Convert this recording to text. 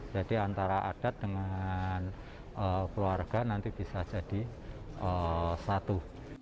jadi antara adat dengan keluarga nanti bisa jadi satu